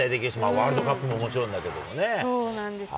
ワールドカップももちろんだけどそうなんですよ。